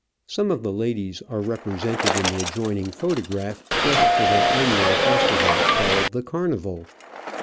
Some of the ladies are represented in the adjoining photograph dressed for their annual festival, called the Carnival.